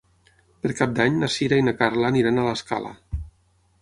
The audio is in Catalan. Per Cap d'Any na Sira i na Carla aniran a l'Escala.